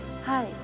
はい。